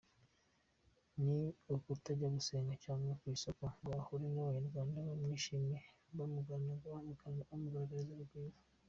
Ni ukutajya gusenga cyangwa mu isoko ngo ahure n’abanyarwanda bamwishimiye bamugaragarize urugwiro?